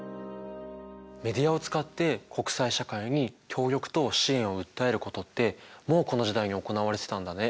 メディアを使って国際社会に協力と支援を訴えることってもうこの時代に行われてたんだね。